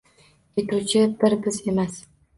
Ketuvchi bir biz emas.